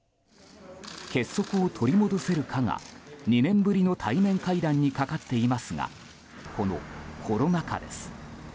結束を取り戻せるかが２年ぶりの対面会談にかかっていますがこのコロナ禍です。